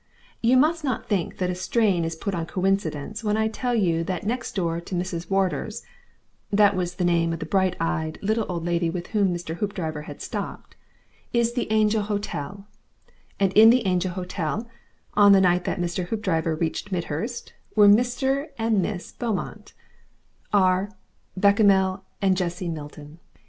You must not think that a strain is put on coincidence when I tell you that next door to Mrs. Wardor's that was the name of the bright eyed, little old lady with whom Mr. Hoopdriver had stopped is the Angel Hotel, and in the Angel Hotel, on the night that Mr. Hoopdriver reached Midhurst, were 'Mr.' and 'Miss' Beaumont, our Bechamel and Jessie Milton.